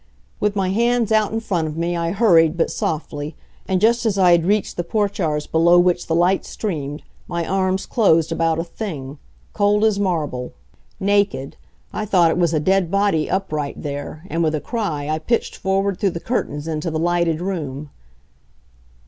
With my hands out in front of me I hurried, but softly, and just as I had reached the portieres below which the light streamed, my arms closed about a thing cold as marble, naked I thought it was a dead body upright there, and with a cry, I pitched forward through the curtains into the lighted room.